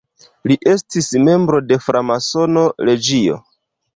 Li estis membro de framasono loĝio.